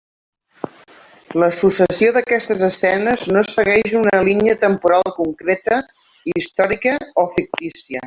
La successió d'aquestes escenes no segueix una línia temporal concreta, històrica o fictícia.